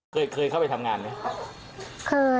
เคยเข้าไปทำงานไหม